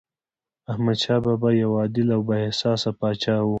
احمدشاه بابا یو عادل او بااحساسه پاچا و.